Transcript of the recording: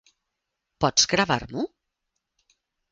Pots gravar-m'ho?